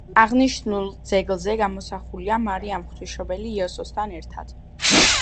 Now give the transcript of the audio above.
აღნიშნული ძეგლზე გამოსახულია მარიამ ღვთისმშობელი იესოსთან ერთად.